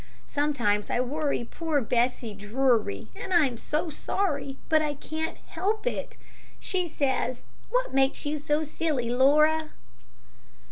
Sometimes I worry poor Bessie Drury, and I'm so sorry, but I can't help it. She says, 'What makes you so silly, Laura?'"